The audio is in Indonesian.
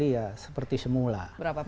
itu akan kembali seperti semula